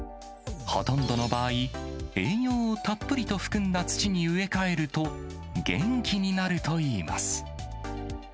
ほとんどの場合、栄養をたっぷりと含んだ土に植え替えると、元気になるといいます。